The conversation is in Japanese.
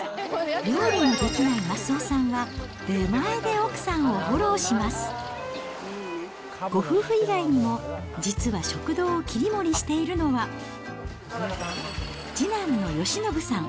料理ができない益男さんは、出前で奥さんをフご夫婦以外にも、実は食堂を切り盛りしているのは、次男の吉伸さん。